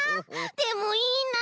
でもいいな！